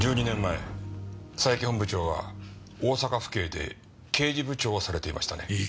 １２年前佐伯本部長は大阪府警で刑事部長をされていましたね？